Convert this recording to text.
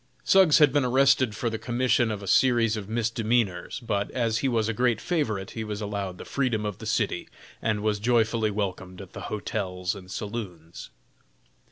Suggs had been arrested for the commission of a series of misdemeanors, but, as he was a great favorite, he was allowed the freedom of the city, and was joyfully welcomed at the hotels and saloons.